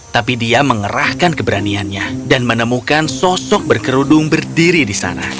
tapi dia mengerahkan keberaniannya dan menemukan sosok berkerudung berdiri di sana